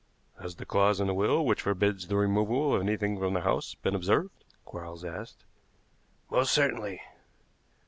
"Has the clause in the will which forbids the removal of anything from the house been observed?" Quarles asked. "Most certainly."